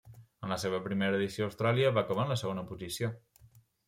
En la seva primera edició Austràlia va acabar en la segona posició.